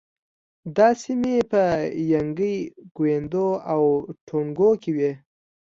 دا سیمې په ینګی، کویدو او ټونګو کې وې.